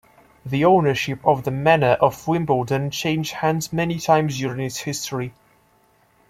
The ownership of the manor of Wimbledon changed hands many times during its history.